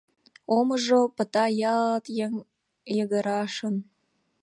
Омыжо пыта ялт йыгырашын;